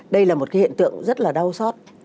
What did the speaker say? đây là một cái hiện tượng rất là đau xót